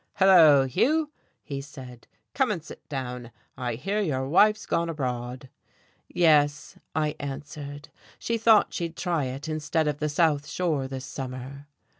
"Hello, Hugh," he said, "come and sit down. I hear your wife's gone abroad." "Yes," I answered, "she thought she'd try it instead of the South Shore this summer."